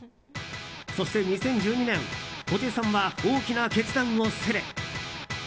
そして２０１２年布袋さんは大きな決断をする。